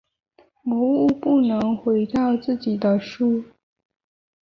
魔物不能烧毁自己的书。